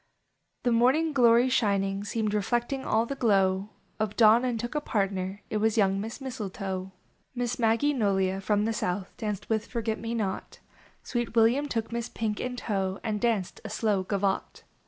The Morning Glory shining Seemed reflecting all the glow Of dawn, and took a partner; Jl \va.s young Miss .Mistletoe. : h i.o\\ /: A .V /;.//./, Miss Maggie Nolia from the south Danced with Forget me not ; Sweet William took Miss Pink in tow And danced a slow gavotte.